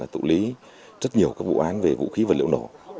tụ lý rất nhiều vụ án về vũ khí vật liệu nổ